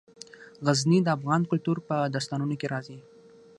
غزني د افغان کلتور په داستانونو کې راځي.